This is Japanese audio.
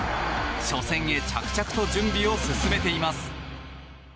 初戦へ着々と準備を進めています。